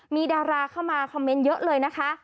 มีดาราเข้ามาคอมเมนต์เยอะเลยนะคะ